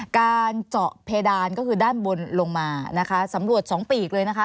การเจาะเพดานก็คือด้านบนลงมานะคะสำรวจสองปีกเลยนะคะ